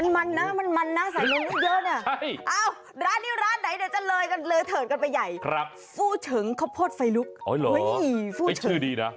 มันมันนะใส่นมเยอะเนี่ย